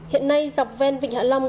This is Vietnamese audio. hiện nay dọc ven vịnh hạ long